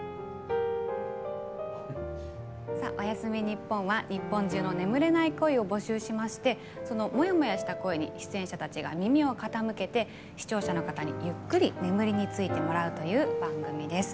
「おやすみ日本」は日本中の眠れない声を募集しまして、モヤモヤした声に出演者たちが耳を傾けて視聴者の方にゆっくり眠りについてもらう番組です。